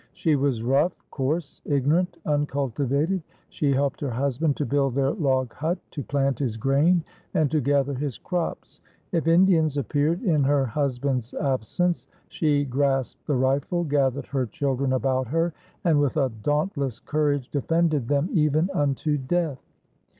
She was rough, coarse, ignorant, uncultivated. She helped her husband to build their log hut, to plant his grain, and to gather his crops. If Indians appeared in her husband's absence, she grasped the rifle, gathered her children about her, and with a dauntless courage defended them even unto death.